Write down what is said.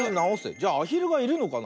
じゃアヒルがいるのかな？